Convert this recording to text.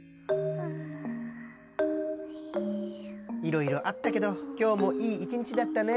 いろいろあったけどきょうもいい１にちだったね。